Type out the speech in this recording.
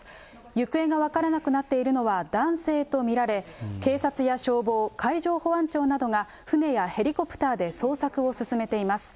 行方が分からなくなっているのは男性と見られ、警察や消防、海上保安庁などが船やヘリコプターで捜索を進めています。